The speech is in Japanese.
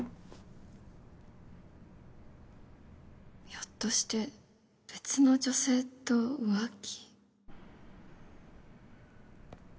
ひょっとして別の女性と浮気？